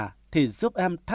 trước khi đi cường có nhờ em là